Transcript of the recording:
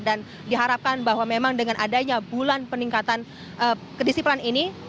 dan diharapkan bahwa memang dengan adanya bulan peningkatan kedisiplinan ini